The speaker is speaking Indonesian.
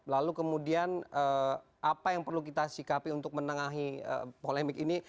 lalu kemudian apa yang perlu kita sikapi untuk menengahi polemik ini